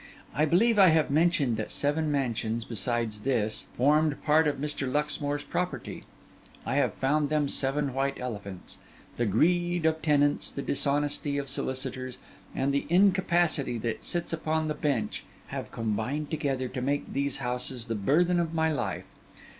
I believe I have mentioned that seven mansions, besides this, formed part of Mr. Luxmore's property: I have found them seven white elephants. The greed of tenants, the dishonesty of solicitors, and the incapacity that sits upon the bench, have combined together to make these houses the burthen of my life.